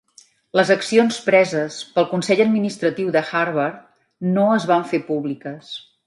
Les accions preses pel Consell Administratiu de Harvard no es van fer públiques.